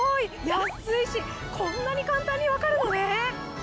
安いしこんなに簡単に分かるのね！